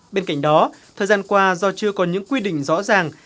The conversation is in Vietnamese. bên cạnh đó thời gian qua do chưa có những quy định rõ ràng